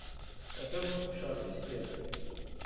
Attan tesseqcaṛ tiskert.